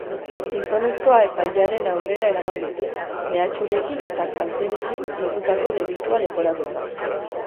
Gizonezkoa epailaren aurrera eraman dute, mehatxurekin eta kalterekin lotutako delitua leporatuta.